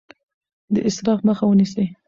د اسراف مخه ونیسئ.